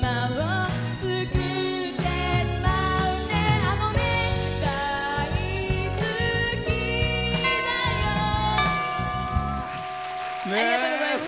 ありがとうございます。